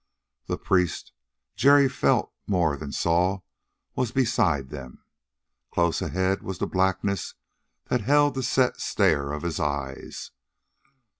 The priest, Jerry felt more than saw, was beside them. Close ahead was the blackness that held the set stare of his eyes.